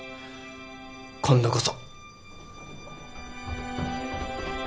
今度こそ。